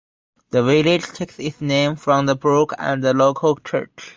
The village takes its name from the brook and the local church.